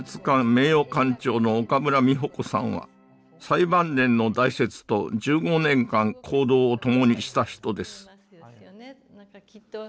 名誉館長の岡村美穂子さんは最晩年の大拙と１５年間行動を共にした人です